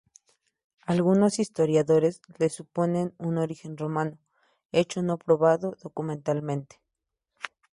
Algunos historiadores le suponen un origen romano, hecho no probado documentalmente.